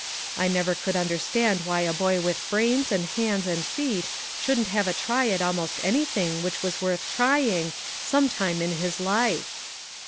I never could understand why a boy with brains, and hands, and feet, shouldn't have a try at almost anything which was worth trying, some time in his life."